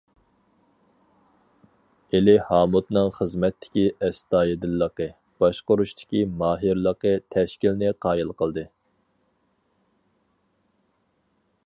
ئېلى ھامۇتنىڭ خىزمەتتىكى ئەستايىدىللىقى، باشقۇرۇشتىكى ماھىرلىقى تەشكىلنى قايىل قىلدى.